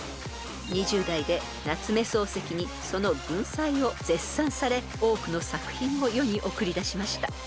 ［２０代で夏目漱石にその文才を絶賛され多くの作品を世に送り出しました］